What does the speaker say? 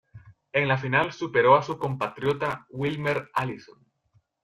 En la final superó a su compatriota Wilmer Allison.